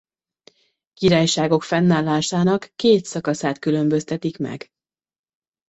Királyságok fennállásának két szakaszát különböztetik meg.